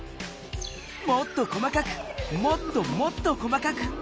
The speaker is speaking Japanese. もっと細かくもっともっと細かく。